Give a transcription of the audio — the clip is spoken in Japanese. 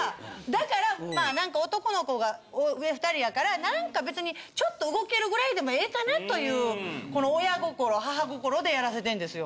だからまあなんか男の子が上２人やからなんか別にちょっと動けるぐらいでもええかなというこの親心母心でやらせてんですよ。